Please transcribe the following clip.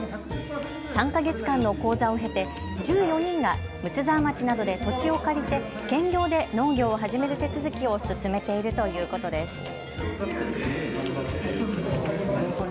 ３か月間の講座を経て１４人が睦沢町などで土地を借りて兼業で農業を始める手続きを進めているということです。